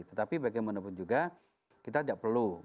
tetapi bagaimanapun juga kita tidak perlu